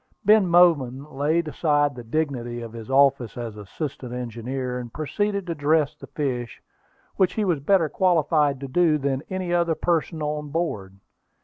Ben Bowman laid aside the dignity of his office as assistant engineer, and proceeded to dress the fish, which he was better qualified to do than any other person on board.